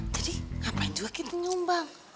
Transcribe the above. jadi ngapain juga kita nyumbang